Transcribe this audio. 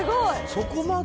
そこまで？